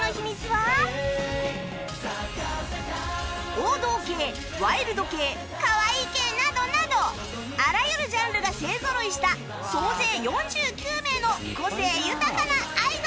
王道系ワイルド系かわいい系などなどあらゆるジャンルが勢ぞろいした総勢４９名の個性豊かなアイドルたち